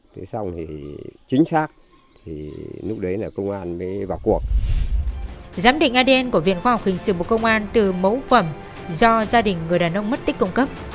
từ một công an từ mẫu phẩm do gia đình người đàn ông mất tích cung cấp